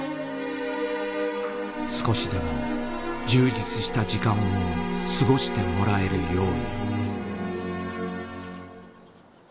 少しでも充実した時間を過ごしてもらえるように。